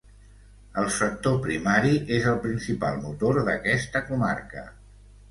El sector primari és el principal motor d'aquesta comarca.